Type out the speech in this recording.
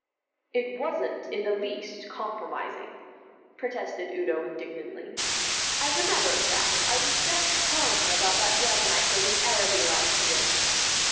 "It wasn't in the least compromising," protested Udo indignantly. "As a matter of fact I was just telling her about that dragon I killed in Araby last year."